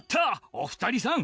お二人さん